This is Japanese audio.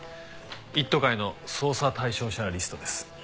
一途会の捜査対象者リストです。